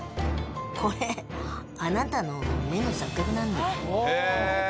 これあなたの目の錯覚なんで。